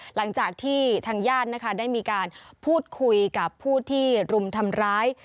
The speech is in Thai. หลังจากที่ทางญาตินะคะได้มีการพูดคุยกับผู้ที่รุมทำร้าย